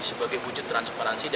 sebagai wujud transparansi